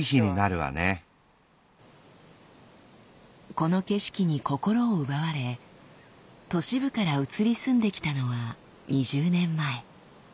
この景色に心を奪われ都市部から移り住んできたのは２０年前。